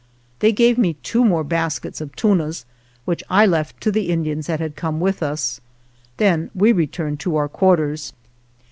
They gave me two more baskets of tunas, which I left to the Indians that had come with us. Then we returned to our quarters.